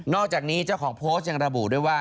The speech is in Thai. อกจากนี้เจ้าของโพสต์ยังระบุด้วยว่า